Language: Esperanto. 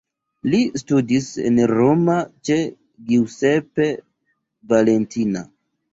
Li studis en Roma ĉe Giuseppe Valentina.